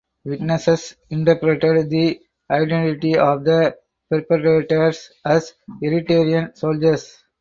Witnesses interpreted the identity of the perpetrators as Eritrean soldiers.